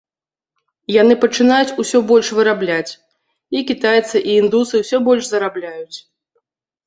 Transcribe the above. Яны пачынаюць усё больш вырабляць, і кітайцы і індусы ўсё больш зарабляюць.